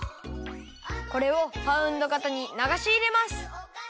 これをパウンド型にながしいれます。